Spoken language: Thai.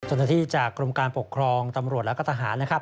เจ้าหน้าที่จากกรมการปกครองตำรวจและก็ทหารนะครับ